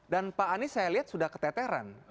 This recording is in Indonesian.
dan pak anies saya lihat sudah keteteran